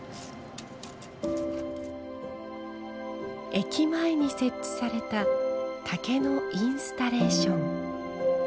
駅前に設置された竹のインスタレーション。